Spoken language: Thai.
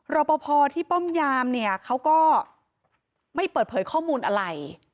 รอปภที่ป้อมยามเนี่ยเขาก็ไม่เปิดเผยข้อมูลอะไร